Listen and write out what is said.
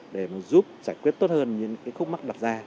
để giúp giải quyết tốt hơn những khúc mắt đặt ra